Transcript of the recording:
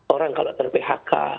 orang kalau ter phk